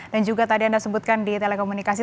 dan juga tadi anda sebutkan di telekomunikasi